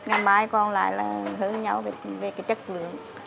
ngày mai còn lại là hướng nhau về cái chất lượng